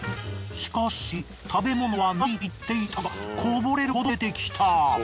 しかし食べ物はないと言っていたがこぼれるほど出てきた。